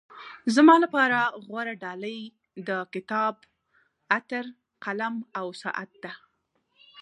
زما لپاره غوره ډالۍ د کتاب، عطر، قلم او ساعت ده.